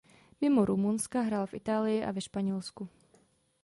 Mimo Rumunska hrál v Itálii a ve Španělsku.